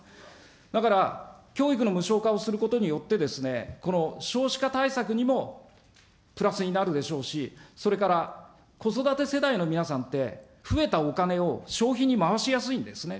だから、教育の無償化をすることによって、この少子化対策にもプラスになるでしょうし、それから子育て世代の皆さんって増えたお金を消費に回しやすいんですね。